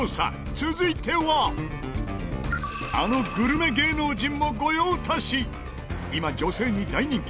続いてはあのグルメ芸能人も御用達今、女性に大人気！